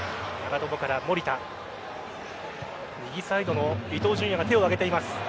右サイドの伊東純也が手を上げています。